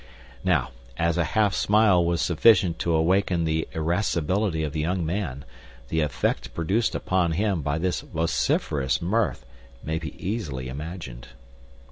Now, as a half smile was sufficient to awaken the irascibility of the young man, the effect produced upon him by this vociferous mirth may be easily imagined.